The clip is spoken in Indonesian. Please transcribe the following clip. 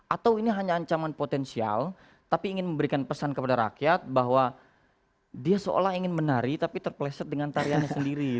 atau ini hanya ancaman potensial tapi ingin memberikan pesan kepada rakyat bahwa dia seolah ingin menari tapi terpleset dengan tariannya sendiri